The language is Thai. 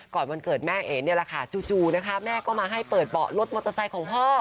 วันเกิดแม่เอ๋เนี่ยแหละค่ะจู่นะคะแม่ก็มาให้เปิดเบาะรถมอเตอร์ไซค์ของพ่อ